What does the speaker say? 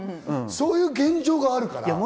そういう現状があるから。